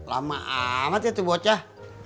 lama amat ya tuh bocah